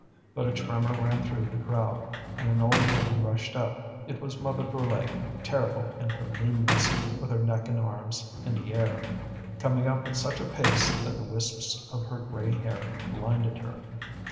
But a tremor ran through the crowd, and an old woman rushed up. It was Mother Brulé, terrible in her leanness, with her neck and arms in the air, coming up at such a pace that the wisps of her grey hair blinded her.